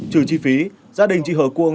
trừ chi phí gia đình chị hờ cuông